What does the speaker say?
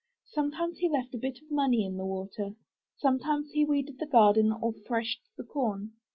Sometimes he left a bit of money in the water. Sometimes he weeded the garden or threshed the corn.